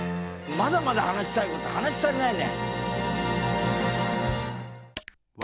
まだまだ話したいこと話し足りないね。